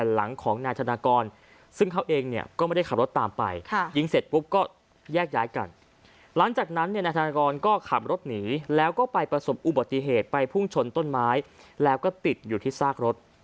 หลังจากนั้นเนี่ยนายธนากรก็ขับรถหนีแล้วก็ไปประสบอุบัติเหตุไปพุ่งชนต้นไม้แล้วก็ติดอยู่ที่ซากรถ